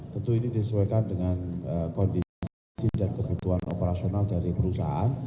tentu ini disesuaikan dengan kondisi dan kebutuhan operasional dari perusahaan